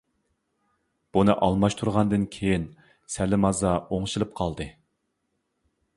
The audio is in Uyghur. بۇنى ئالماشتۇرغاندىن كېيىن سەللىمازا ئوڭشىلىپ قالدى.